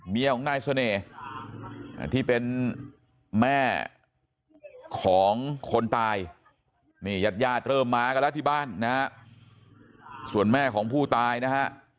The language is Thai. เมียของนายเสน่ห์ที่เป็นแม่ของคนตายนี่ญาติญาติเริ่มมากันแล้วที่บ้านนะฮะส่วนแม่ของผู้ตายนะฮะ